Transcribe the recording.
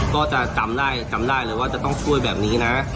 ก็จะจำได้จำได้เลยว่าจะต้องช่วยแบบนี้นะ